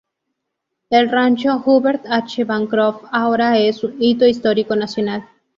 El Rancho Hubert H. Bancroft ahora es un Hito Histórico Nacional.